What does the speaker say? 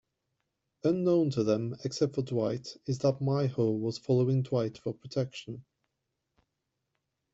Unknown to them except for Dwight is that Miho was following Dwight for protection.